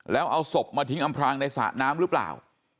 แล้วเอาศพมาทิ้งอำพลางในสระน้ำหรือเปล่า